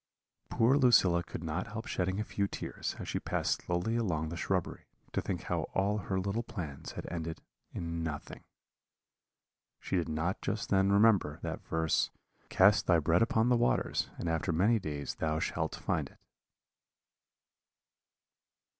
"Poor Lucilla could not help shedding a few tears as she passed slowly along the shrubbery, to think how all her little plans had ended in nothing. She did not just then remember that verse, 'Cast thy bread upon the waters, and after many days thou shalt find it.'"